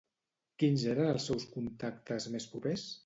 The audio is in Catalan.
Quins eren els seus contactes més propers?